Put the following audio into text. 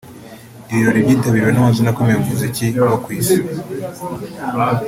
Ibirori byitabiriwe n’amazina akomeye mu muziki wo ku Isi